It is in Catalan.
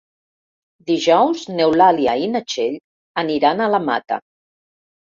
Dijous n'Eulàlia i na Txell aniran a la Mata.